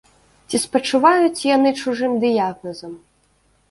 Ці спачуваюць яны чужым дыягназам?